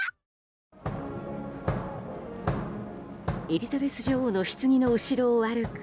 エリザベス女王のひつぎの後ろを歩く